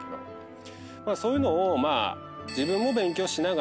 そういうのをまあ。